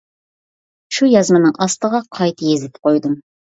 شۇ يازمىنىڭ ئاستىغا قايتا يېزىپ قويدۇم.